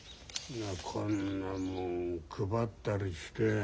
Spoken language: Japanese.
こんなもの配ったりして。